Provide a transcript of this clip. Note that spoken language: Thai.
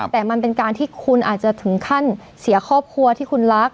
แต่มันเป็นการที่คุณอาจจะถึงขั้นเสียครอบครัวที่คุณรัก